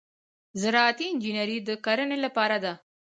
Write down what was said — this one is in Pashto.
زراعتي انجنیری د کرنې لپاره ده.